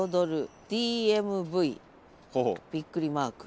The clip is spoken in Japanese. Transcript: びっくりマーク。